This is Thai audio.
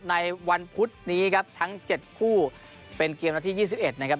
ในวันพุธนี้ครับทั้งเจ็ดคู่เป็นเกมนาทียี่สิบเอ็ดนะครับ